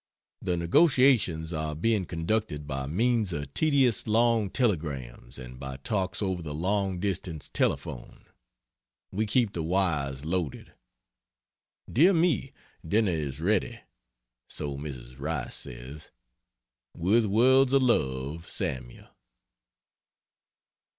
The negotiations are being conducted, by means of tedious long telegrams and by talks over the long distance telephone. We keep the wires loaded. Dear me, dinner is ready. So Mrs. Rice says. With worlds of love, SAML.